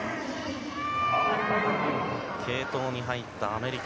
継投に入ったアメリカ。